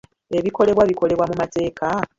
Ebikolebwa bikolebwa mu mateeka?